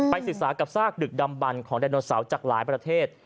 ศึกษากับซากดึกดำบันของไดโนเสาร์จากหลายประเทศ